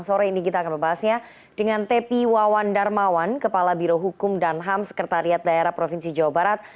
sore ini kita akan membahasnya dengan tepi wawan darmawan kepala birohukum dan ham sekretariat daerah provinsi jawa barat